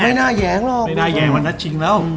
ไม่น่าแหงหรอก